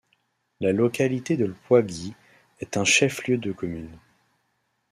La localité de Ipouagui est un chef-lieu de commune.